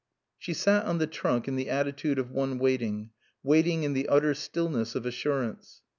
She sat on the trunk in the attitude of one waiting, waiting in the utter stillness of assurance.